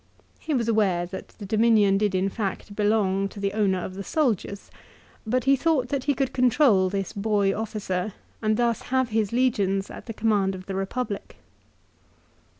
He was aware that the dominion did in fact belong to the owner of the soldiers, but he thought that he could control this boy officer, and thus have his legions at the command of the Republic.